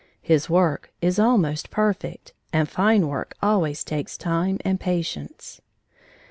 His work is almost perfect, and fine work always takes time and patience.